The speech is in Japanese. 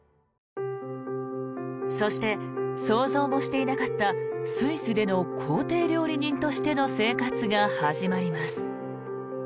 そして、想像もしていなかったスイスでの公邸料理人としての生活が始まります。